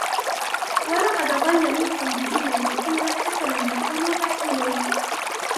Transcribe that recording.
وَلَقَدْ أَضَلَّ مِنْكُمْ جِبِلًّا كَثِيرًا أَفَلَمْ تَكُونُوا تَعْقِلُونَ